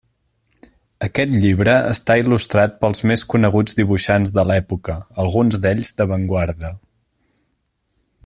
Aquest llibre està il·lustrat pels més coneguts dibuixants de l'època, alguns d'ells d'avantguarda.